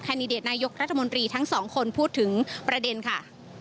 ดิเดตนายกรัฐมนตรีทั้งสองคนพูดถึงประเด็นค่ะ